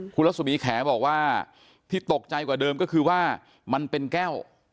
คุณรัศมีแขบอกว่าที่ตกใจกว่าเดิมก็คือว่ามันเป็นแก้ว